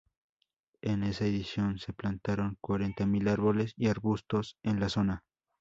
En esa edición se plantaron cuarenta mil árboles y arbustos en la zona.